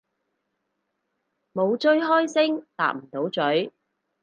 冇追開星搭唔到咀